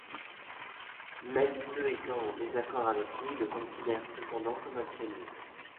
Même ceux étant en désaccord avec lui le considèrent cependant comme un pionnier.